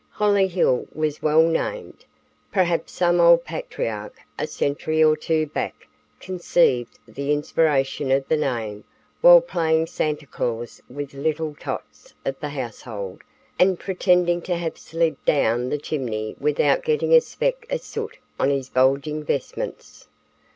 Hollyhill was well named. Perhaps some old patriarch a century or two back conceived the inspiration of the name while playing Santa Claus with the little tots of the household and pretending to have slid down the chimney without getting a speck of soot on his bulging vestments.